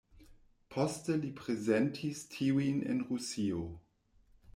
Poste li prezentis tiujn en Rusio.